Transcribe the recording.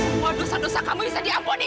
semua dosa dosa kamu bisa diamponi